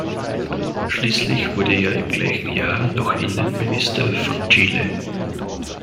Schließlich wurde er im gleichen Jahr noch Innenminister von Chile.